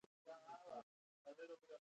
زه د راډیو مجری پیژنم.